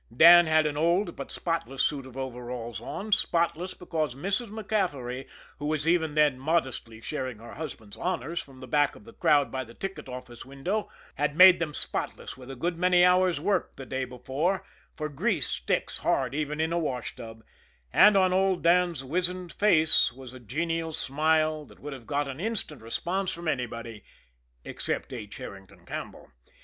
Dan had an old, but spotless, suit of overalls on, spotless because Mrs. MacCaffery, who was even then modestly sharing her husband's honors from the back of the crowd by the ticket office window, had made them spotless with a good many hours' work the day before, for grease sticks hard even in a washtub; and on old Dan's wizened face was a genial smile that would have got an instant response from anybody except H. Herrington Campbell.